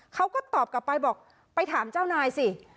เขาก็ตอบกลับไปบอกไปถามเจ้านายสิ